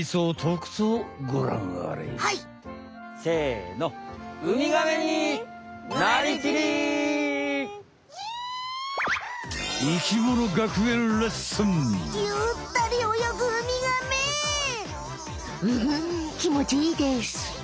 うんきもちいいです。